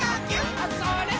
あ、それっ！